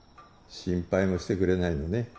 心配もしてくれないのね。